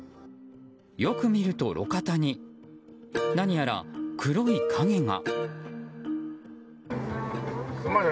よく見ると路肩に何やら黒い影が。